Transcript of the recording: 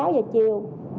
một mươi sáu giờ chiều